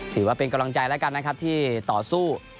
ถือว่าเป็นกำลังใจแล้วกันนะครับที่ต่อสู้